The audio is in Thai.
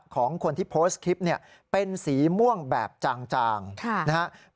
ของคนที่โพสต์คลิปเนี่ยเป็นสีม่วงแบบจางนะครับ